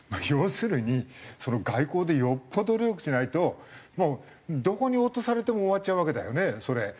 要するに外交でよっぽど努力しないとどこに落とされても終わっちゃうわけだよねそれ。